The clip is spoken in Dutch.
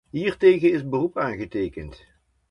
Hiertegen is beroep aangetekend.